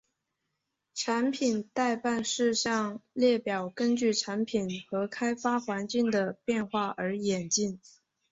产品待办事项列表根据产品和开发环境的变化而演进。